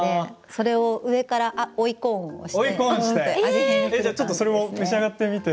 それを上から追いコーンをして、味変をして。